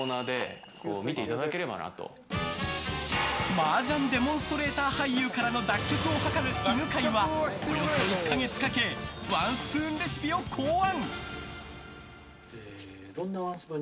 マージャンデモンストレーター俳優からの脱却を図る犬飼はおよそ１か月かけワンスプーンレシピを考案。